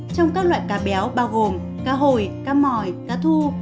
trong các loại cá béo bao gồm cá hồi cá mỏi cá thu